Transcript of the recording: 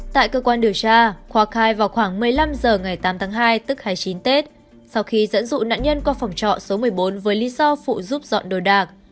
tại cơ quan điều tra khoa khai vào khoảng một mươi năm h ngày tám tháng hai tức hai mươi chín tết sau khi dẫn dụ nạn nhân qua phòng trọ số một mươi bốn với lý do phụ giúp dọn đồ đạc